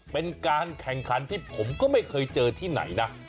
เป็นการแข่งขันที่ผมก็ไม่เคยเจอที่ไหนนะ